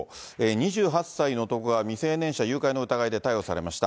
２８歳の男が男が未成年者誘拐の疑いで逮捕されました。